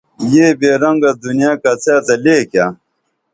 یہ بے رنگہ دنیائیں کڅہ تہ لے کیہ